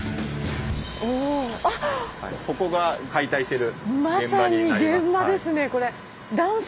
ここが解体してる現場になります。